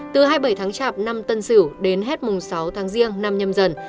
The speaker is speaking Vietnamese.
từ hai mươi bảy tháng chạp năm tân sửu đến hết mùng sáu tháng riêng năm nhâm dần